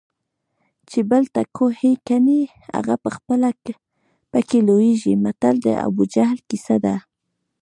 چې بل ته کوهي کني هغه پخپله پکې لویږي متل د ابوجهل کیسه ده